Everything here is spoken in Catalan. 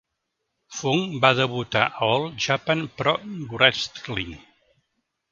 Funk va debutar a All Japan Pro Wrestling.